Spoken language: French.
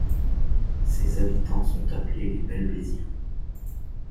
Ses habitants sont appelés les Belbèziens.